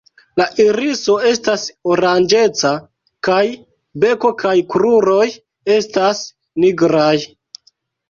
La iriso estas oranĝeca, kaj beko kaj kruroj estas nigraj.